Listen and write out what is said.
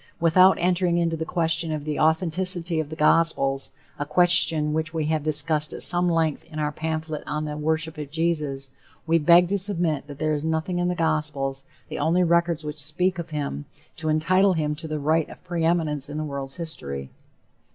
Without entering into the question of the authenticity of the gospels, a question which we have discussed at some length in our pamphlet on the "Worship of Jesus," we beg to submit that there is nothing in the gospels, the only records which speak of him, to entitle him to the "right of preeminence in the world's history."